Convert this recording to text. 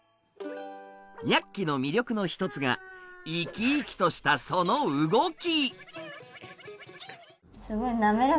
ニャッキの魅力の一つが生き生きとしたその動き！